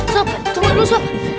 tunggu dulu sob